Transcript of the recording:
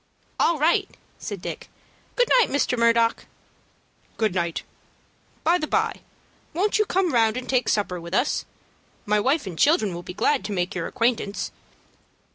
"All right!" said Dick. "Good night, Mr. Murdock." "Good night. By the by, why won't you come round and take supper with us? My wife and children will be glad to make your acquaintance."